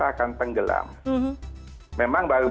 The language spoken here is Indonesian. bahwa konsep awal itu yang kita khawatirkan adalah jakarta